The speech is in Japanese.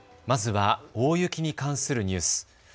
まずは大雪に関するニュース。